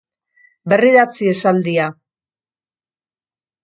Berridatzi esaldia.